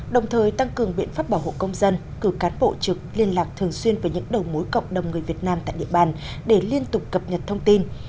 đồng thời tăng cường biện pháp bảo hộ công dân cử cán bộ trực liên lạc thường xuyên với những đầu mối cộng đồng người việt nam tại địa bàn để liên tục cập nhật thông tin